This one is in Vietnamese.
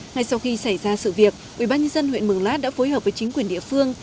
ngay sau khi xảy ra sự việc ubnd huyện mường lát đã phối hợp với chính quyền địa phương